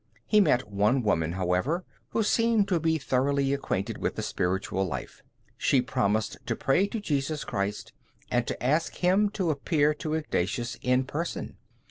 He met one woman, however, who seemed to be thoroughly acquainted with the spiritual life. She promised to pray to Jesus Christ and to ask Him to appear to Ignatius in person.